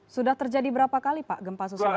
sudah terjadi berapa kali pak gempa susulan